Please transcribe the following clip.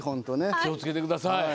気をつけてください。